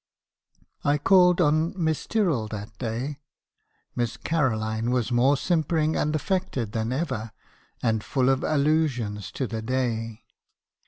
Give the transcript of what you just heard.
"I called on Miss Tyrrell that day. Miss Caroline was more simpering and affected than ever; and full of allusions to the day.